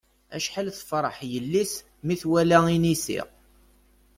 Acḥal tefṛeḥ yelli-s mi twala inisi.